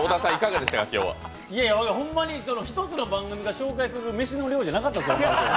ホンマに１つの番組が紹介する飯の量じゃなかったですよ。